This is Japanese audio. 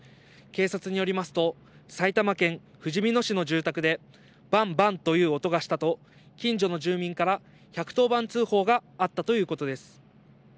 警察によりますと、埼玉県ふじみ野市の住宅で、ばんばんという音がしたと、近所の住民から１１０番通報があったということです。